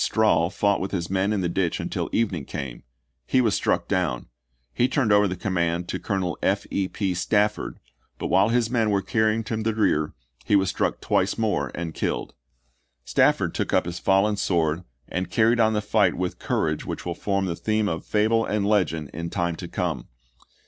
Strahl fought with his men in the ditch until evening came; he was struck down ; he turned over the command to Colonel F. E. P. Stafford, but while his men were carrying him to the rear he was struck twice more and killed. Stafford took up his fallen sword and carried on the fight with a courage which will form the theme of fable and legend in time to come.